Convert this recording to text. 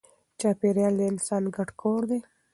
چاپېریال د انسان ګډ کور دی.